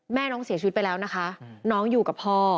น้องเสียชีวิตไปแล้วนะคะน้องอยู่กับพ่อ